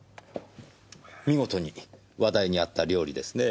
見事に話題に合った料理ですねぇ。